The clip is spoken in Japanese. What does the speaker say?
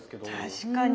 確かに。